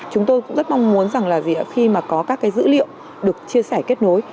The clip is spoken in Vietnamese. chúng tôi cũng rất mong muốn rằng là khi mà có các cái dữ liệu được chia sẻ kết nối